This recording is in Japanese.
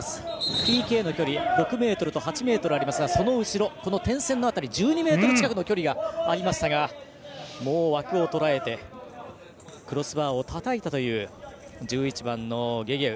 ＰＫの距離が６ｍと８ｍありますがその後ろ、点線の辺り１２ｍ近くの距離がありましたが枠をとらえてクロスバーをたたいたという１１番、ゲゲウ。